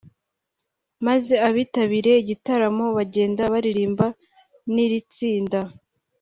maze abitabiriye igitaramo bagenda baririmbana n’iri tsinda